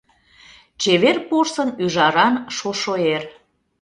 Чевер порсын ӱжаран шошо эр.